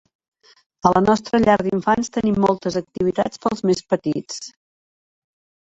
A la nostra llar d'infants tenim moltes activitats pels més petits.